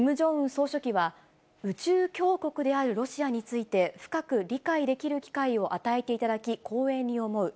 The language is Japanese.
総書記は、宇宙強国であるロシアについて、深く理解できる機会を与えていただき光栄に思う。